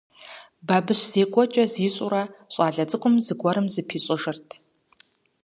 Бабыщ зекӀуэкӀэ зищӀурэ щӀалэ цӀыкӀум зыгуэрым зыпищӀыжырт.